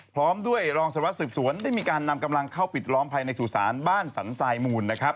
พร้อมด้วยรองสวัสดิสืบสวนได้มีการนำกำลังเข้าปิดล้อมภายในสู่ศาลบ้านสันทรายมูลนะครับ